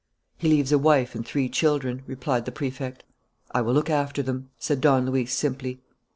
"He leaves a wife and three children," replied the Prefect. "I will look after them," said Don Luis simply.